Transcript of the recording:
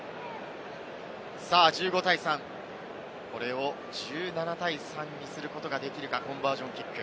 １５対３、これを１７対３にすることができるか、コンバージョンキック。